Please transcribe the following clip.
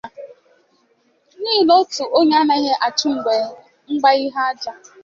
n'ihi na otu onye anaghị achụ ngwere mgbahige aja